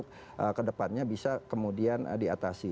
jadi ke depannya bisa kemudian diatasi